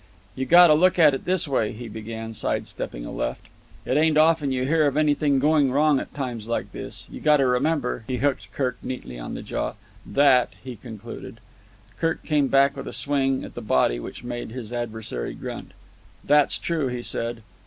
"You gotta look at it this way," he began, side stepping a left, "it ain't often you hear of anything going wrong at times like this. You gotta remember"—he hooked Kirk neatly on the jaw—"that" he concluded. Kirk came back with a swing at the body which made his adversary grunt. "That's true," he said.